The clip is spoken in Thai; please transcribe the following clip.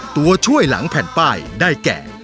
ตัวช่วยหลังแผ่นป้ายได้แก่